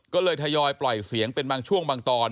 ก็เลยทยอยปล่อยเสียงเป็นบางช่วงบางตอน